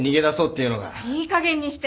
いいかげんにして。